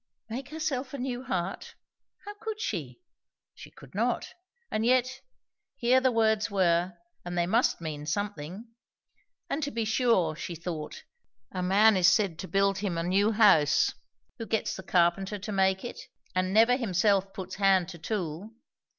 Make herself a new heart? how could she? she could not; and yet, here the words were, and they must mean something. And to be sure, she thought, a man is said to build him a new house, who gets the carpenter to make it, and never himself puts hand to tool.